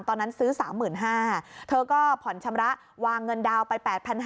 ตอนนั้นซื้อ๓๕๐๐บาทเธอก็ผ่อนชำระวางเงินดาวน์ไป๘๕๐๐